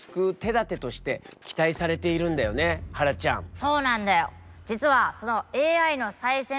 そうなんだよ。